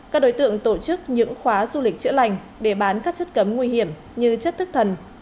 các đối tượng tổ chức những khóa du lịch chữa lành để bán các chất cấm nguy hiểm như chất thức thần